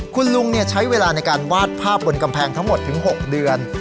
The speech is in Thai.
คุณลุงใช้เวลาในการวาดภาพบนกำแพงทั้งหมดถึง๖เดือน